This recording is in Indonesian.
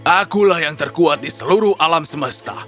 akulah yang terkuat di seluruh alam semesta